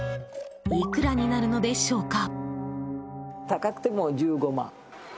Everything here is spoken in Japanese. いくらになるのでしょうか。